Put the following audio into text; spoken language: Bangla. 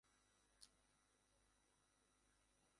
তব পদ-অঙ্কনগুলিরে কতবার দিয়ে গেছ মোর ভাগ্যপথের ধূলিরে।